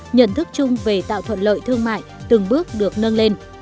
nhận thức chung về tạo thuận lợi thương mại từng bước được nâng lên